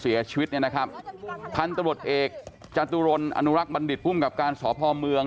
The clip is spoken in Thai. เสียชีวิตเนี่ยนะครับท่านตรวจเอกจันทรวรรณ์อนุรักษ์บัณฑิษภูมิกับการสอบภอมเมือง